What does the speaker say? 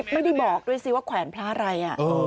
ไม่ได้บอกด้วยสิว่าแขวนพระอะไร